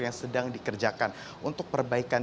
yang sedang dikerjakan untuk perbaikan